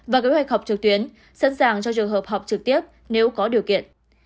và kế hoạch học trực tuyến sẵn sàng cho trường hợp học trực tiếp nếu có điều kiện